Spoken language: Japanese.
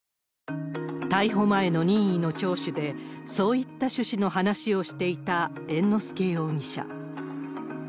逮捕前の任意の聴取で、そういった趣旨の話をしていた猿之助容疑者。